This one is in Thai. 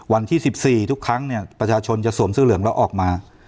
วันที่๑๔ทุกครั้งเนี่ยประชาชนจะสวมเสื้อเหลืองแล้วออกมา